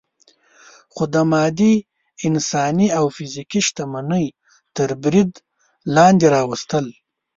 خو د مادي، انساني او فزیکي شتمنۍ تر برید لاندې راوستل.